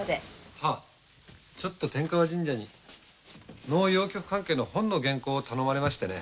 はぁちょっと天河神社に能謡曲関係の本の原稿を頼まれましてね。